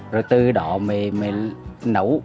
rồi từ đó mình nấu